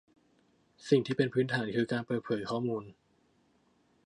สิ่งที่เป็นพื้นฐานคือการเปิดเผยข้อมูล